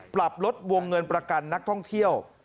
ปรับลดวงเงินประกันนักท่องเที่ยว